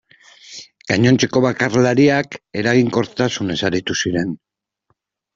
Gainontzeko bakarlariak eraginkortasunez aritu ziren.